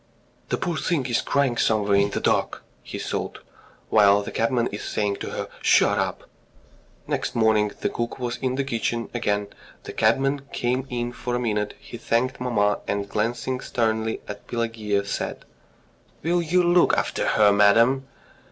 "The poor thing is crying somewhere in the dark!" he thought. "While the cabman is saying to her 'shut up!'" Next morning the cook was in the kitchen again. The cabman came in for a minute. He thanked mamma, and glancing sternly at Pelageya, said: "Will you look after her, madam?